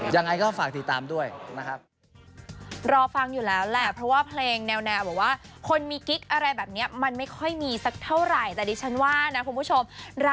ยังไงก็ฝากติดตามด้วยนะครับ